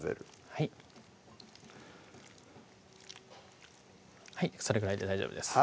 はいそれぐらいで大丈夫です